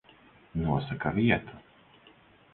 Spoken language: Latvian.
Nosaka vietu.